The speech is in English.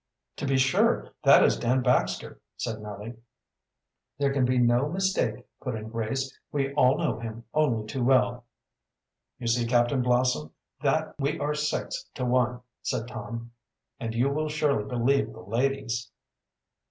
"To be sure, that is Dan Baxter," said Nellie. "There can be no mistake," put in Grace, "We all know him only too well." "You see, Captain Blossom, that we are six to one," said Tom. "And you will surely believe the ladies."